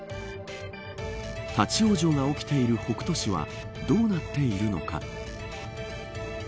立ち往生が起きている北斗市はどうなっているのか。